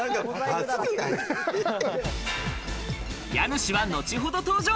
家主は後ほど登場！